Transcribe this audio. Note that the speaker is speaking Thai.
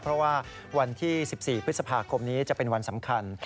เพราะว่าวันที่๑๔พฤษภาคมนี้จะเป็นวันสำคัญ